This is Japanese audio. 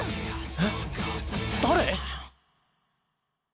えっ誰？